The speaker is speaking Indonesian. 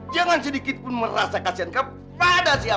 jangan sedikit pun merasa kasihan kepada siapapun di dalam